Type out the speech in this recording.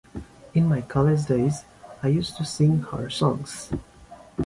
In my college days, I used to sing her songs.